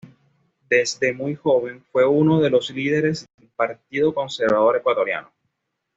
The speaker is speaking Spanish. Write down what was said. Desde muy joven fue uno de los líderes del Partido Conservador Ecuatoriano.